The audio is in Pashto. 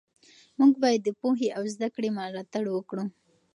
موږ باید د پوهې او زده کړې ملاتړ وکړو.